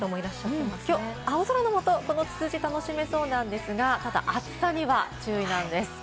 今日、青空の下、このつつじを楽しめそうなんですが、ただ暑さには注意が必要なんです。